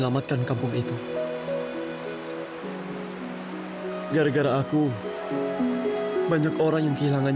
tidak ada musuh yang tidak bisa kita kalahkan